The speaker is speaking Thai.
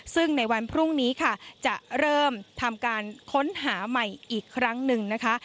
ซึ่งในวันพรุ่งนี้ค่ะจะเริ่มทำการค้นหาใหม่อีกครั้งหนึ่งนะคะ